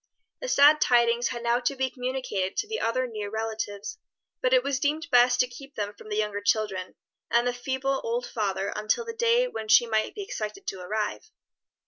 The sad tidings had now to be communicated to the other near relatives, but it was deemed best to keep them from the younger children and the feeble old father until the day when she might be expected to arrive.